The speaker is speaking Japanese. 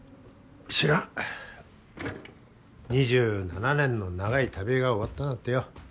知らん２７年の長い旅が終わっただってよ